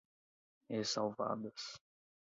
ressalvadas